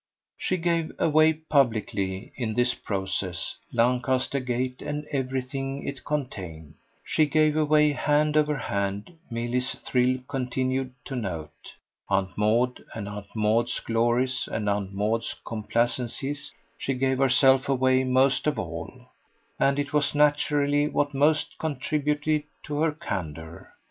She gave away publicly, in this process, Lancaster Gate and everything it contained; she gave away, hand over hand, Milly's thrill continued to note, Aunt Maud and Aunt Maud's glories and Aunt Maud's complacencies; she gave herself away most of all, and it was naturally what most contributed to her candour.